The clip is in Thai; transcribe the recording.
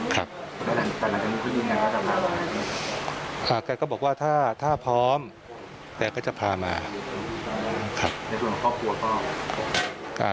กันก็บอกว่าถ้าพร้อมแกก็จะพามา